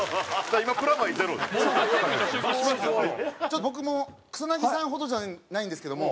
ちょっと僕も草さんほどじゃないんですけども。